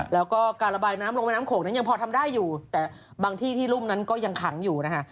แล้วก็การระบายน้ำลงแม่น้ำโขงนั้นยังพอทำได้อยู่แต่บางที่ที่รุ่มนั้นก็ยังขังอยู่นะคะ